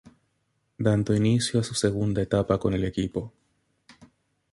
Dando inicio a su segunda etapa con el equipo.